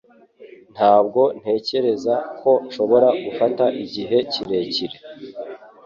Ntabwo ntekereza ko nshobora gufata igihe kirekire